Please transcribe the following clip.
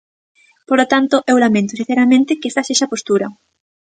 Polo tanto, eu lamento sinceramente que esta sexa a postura.